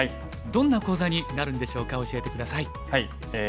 どんな講座になるんでしょうか教えて下さい。